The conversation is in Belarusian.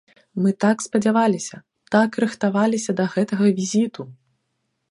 Мы так спадзяваліся, так рыхтаваліся да гэтага візіту!